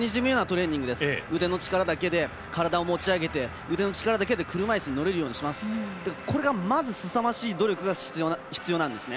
腕の力だけで体を持ち上げ腕の力だけで車いすに乗れるようにしますがこれがまず、すさまじい努力が必要なんですね。